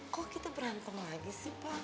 kok kita berantem lagi sih pak